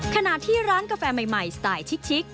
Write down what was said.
ขณะที่ร้านกาแฟใหม่สไตล์ชิค